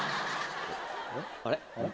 あれ？